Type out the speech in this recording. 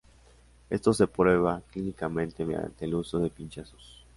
Esto se prueba clínicamente mediante el uso de pinchazos.